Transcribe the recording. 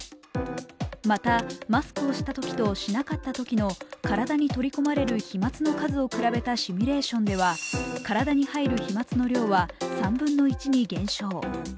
また、マスクをしたときとしなかったときの、体に取り込まれる飛まつの数を比べたシミュレーションでは体に入る飛まつの量は３分の１に減少。